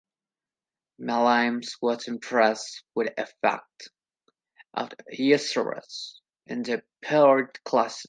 Malynes was impressed with effects of usurers on the poorer classes.